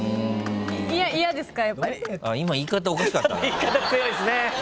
言い方強いっすね。